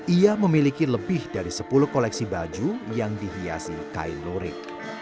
ia memiliki lebih dari sepuluh koleksi baju yang dihiasi kain lurik